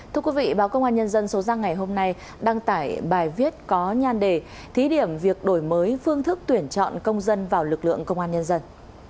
thưa quý vị báo công an nhân dân số ra ngày hôm nay đăng tải bài viết có nhan đề thí điểm việc đổi mới phương thức tuyển chọn công dân vào lực lượng công an nhân dân